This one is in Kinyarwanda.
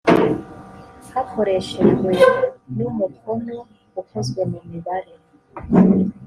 hakoreshejwe n umukono ukozwe mu mibare